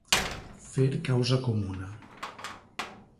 Fer causa comuna.